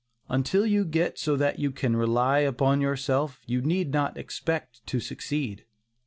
Until you get so that you can rely upon yourself, you need not expect to succeed.